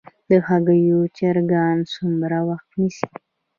د هګیو چرګان څومره وخت نیسي؟